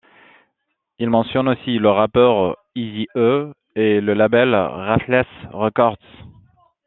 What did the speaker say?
Il mentionne aussi le rappeur Eazy-E et le label Ruthless Records.